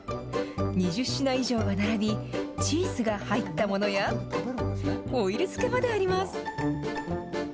２０品以上が並び、チーズが入ったものや、オイル漬けまであります。